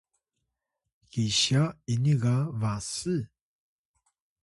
kisya ini ga bas?